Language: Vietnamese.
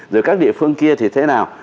rồi các địa phương kia thì thế nào